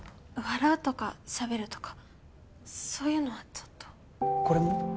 笑うとかしゃべるとかそういうのはちょっとこれも？